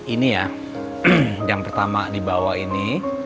ini ya yang pertama dibawa ini